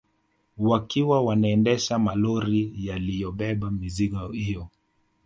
Wakiwa wanaendesha malori yaliyobeba mizigo hiyo